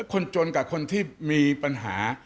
คนจนกับคนที่มีปัญหา